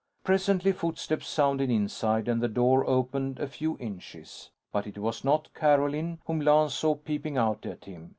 Presently, footsteps sounded inside and the door opened a few inches. But it was not Carolyn whom Lance saw peeping out at him.